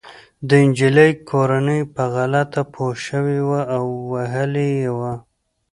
د انجلۍ کورنۍ په غلطه پوه شوې وه او وهلې يې وه